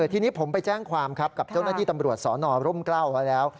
ทีนี้ผมไปแจ้งความครับกับเจ้าหน้าที่ตำรวจสนร่มกล้าวไว้แล้ว